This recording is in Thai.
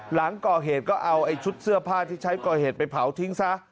หลังก่อเหตุก็เอาไอ้ชุดเสื้อผ้าที่ใช้ก่อเหตุไปเผาทิ้งซะ